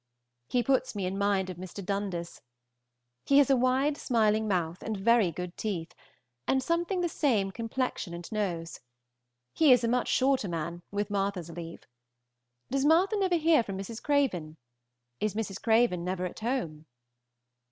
He puts me in mind of Mr. Dundas. He has a wide smiling mouth, and very good teeth, and something the same complexion and nose. He is a much shorter man, with Martha's leave. Does Martha never hear from Mrs. Craven? Is Mrs. Craven never at home?